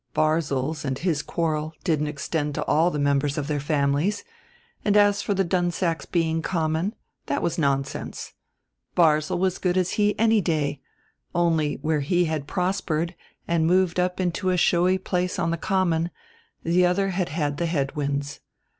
Barzil's and his quarrel didn't extend to all the members of their families; and as for the Dunsacks being common that was nonsense. Barzil was as good as he any day; only where he had prospered, and moved up into a showy place on the Common, the other had had the head winds.